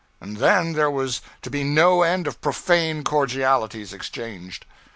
And then there would be no end of profane cordialities exchanged.